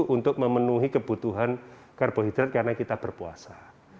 untuk memenuhi kebutuhan karbohidrat karena kita berpuasa